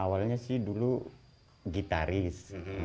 awalnya sih dulu gitaris